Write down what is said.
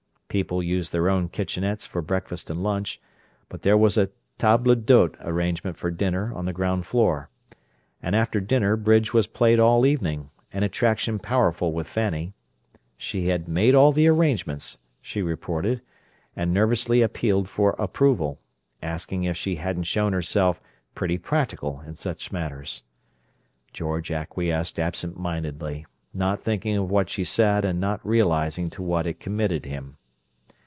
People used their own "kitchenettes" for breakfast and lunch, but there was a table d'hote arrangement for dinner on the ground floor; and after dinner bridge was played all evening, an attraction powerful with Fanny. She had "made all the arrangements," she reported, and nervously appealed for approval, asking if she hadn't shown herself "pretty practical" in such matters. George acquiesced absent mindedly, not thinking of what she said and not realizing to what it committed him.